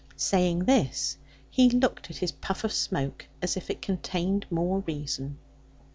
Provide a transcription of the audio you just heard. Saying this, he looked at his puff of smoke as if it contained more reason.